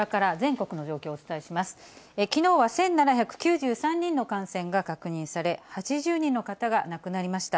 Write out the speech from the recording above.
きのうは１７９３人の感染が確認され、８０人の方が亡くなりました。